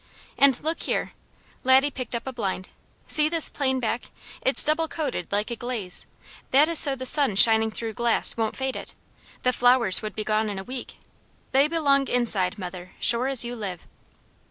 And look here!" Laddie picked up a blind. "See this plain back? It's double coated like a glaze. That is so the sun shining through glass won't fade it. The flowers would be gone in a week. They belong inside, mother, sure as you live."